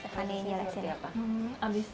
fanny ini alesannya apa